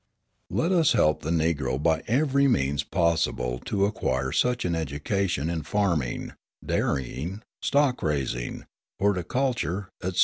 Let us help the Negro by every means possible to acquire such an education in farming, dairying, stock raising, horticulture, etc.